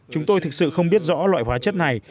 chúng tôi thực sự không biết rõ loại hóa chất này